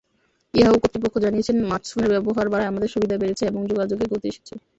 Yahoo কর্তৃপক্ষ জানিয়েছে, স্মার্টফোনের ব্যবহার বাড়ায় আমাদের সুবিধা বেড়েছে এবং যোগাযোগে গতি এসেছে।